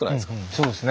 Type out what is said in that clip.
そうですね。